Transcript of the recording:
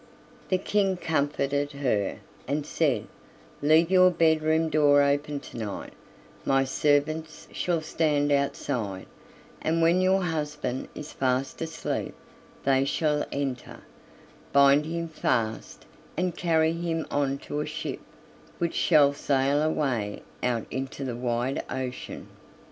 The King comforted her, and said: "Leave your bedroom door open to night, my servants shall stand outside, and when your husband is fast asleep they shall enter, bind him fast, and carry him on to a ship, which shall sail away out into the wide ocean."